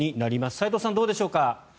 齋藤さん、どうでしょうか。